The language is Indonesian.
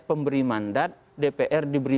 pemberi mandat dpr diberi